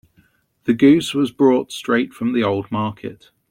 The goose was brought straight from the old market.